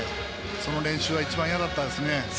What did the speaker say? その練習は一番、嫌だったですね。